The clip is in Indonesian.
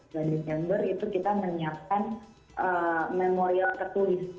bulan desember itu kita menyiapkan memorial tertulis